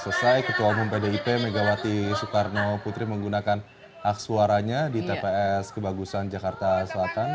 selesai ketua umum pdip megawati soekarno putri menggunakan hak suaranya di tps kebagusan jakarta selatan